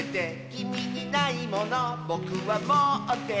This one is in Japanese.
「きみにないものぼくはもってて」